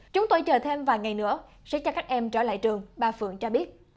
chúng tôi chờ thêm vài ngày nữa sẽ cho các em trở lại trường bà phượng cho biết